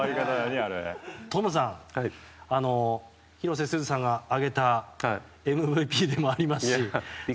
トムさん、広瀬すずさんがあげたＭＶＰでもありました。